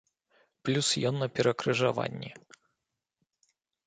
Плюс ён на перакрыжаванні.